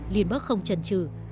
lindbergh không chần chừ